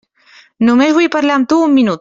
Només vull parlar amb tu un minut.